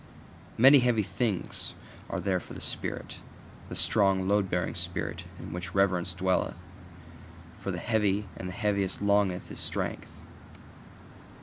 Many heavy things are there for the spirit, the strong load bearing spirit in which reverence dwelleth: for the heavy and the heaviest longeth its strength.